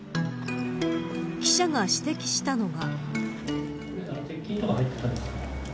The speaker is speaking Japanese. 記者が指摘したのが。